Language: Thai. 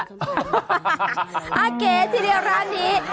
เก๋ทีเดียวร้านนี้